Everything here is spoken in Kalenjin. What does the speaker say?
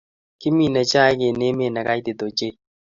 Kimine chaik en Emet ne kaitit ochei